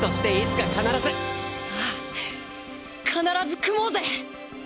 ああ必ず組もうぜ。